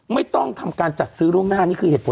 ไม่ต้องทำการจัดซื้อล่วงหน้านี่คือเหตุผล